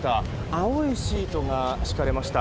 青いシートが敷かれました。